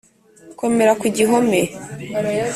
komera ku gihome